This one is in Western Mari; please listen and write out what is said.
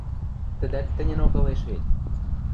Тӹдӓт тӹньӹнок ылеш вет.